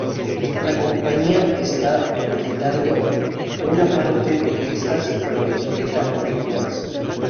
La compañía está reeditando una parte de estas con la etiqueta "Originals".